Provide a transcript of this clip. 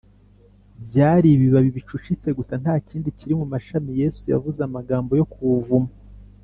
’ byari ibibabi bicucitse gusa, nta kindi kiri mu mashami yesu yavuze amagambo yo kuwuvuma